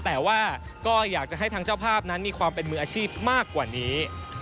แต่ว่าก็อยากจะให้ทางเจ้าภาพนั้นมีความเป็นมืออาชีพมากกว่านี้